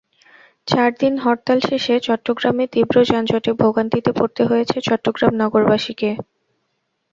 চার দিন হরতাল শেষে চট্টগ্রামে তীব্র যানজটে ভোগান্তিতে পড়তে হয়েছে চট্টগ্রাম নগরবাসীকে।